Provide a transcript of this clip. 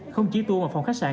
không chỉ tour vào phòng khách sạn